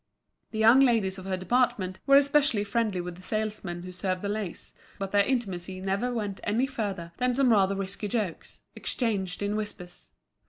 The young ladies of her department were especially friendly with the salesmen who served the lace, but their intimacy never went any further than some rather risky jokes, exchanged in whispers.